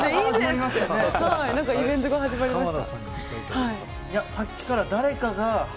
何かイベントが始まりました。